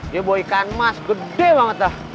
dia bawa ikan mas gede banget